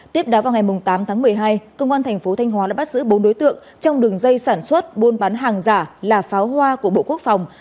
tiếp đó vào ngày tám tháng một mươi hai công an thành phố thanh hóa đã bắt giữ bốn đối tượng trong đường dây sản xuất buôn bán hàng giả là pháo hoa của bộ quốc phòng